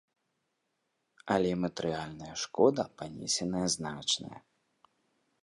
Але матэрыяльная шкода панесеная значная.